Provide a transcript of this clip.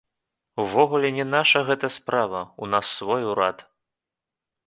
Увогуле, не наша гэта справа, у нас свой урад.